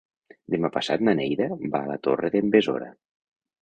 Demà passat na Neida va a la Torre d'en Besora.